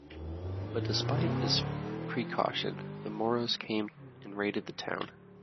But despite this preacaution, the Moros came and raided the town.